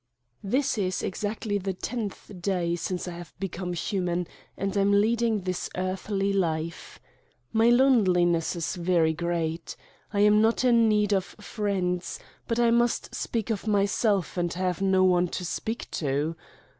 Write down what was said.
fT^HIS is exactly the tenth day since I have be come human and am leading this earthly life. My loneliness is very great. I am not in need of friends, but I must speak of Myself and I have no one to speak to.